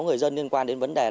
người dân liên quan đến vấn đề